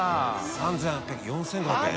３８００円４５００円？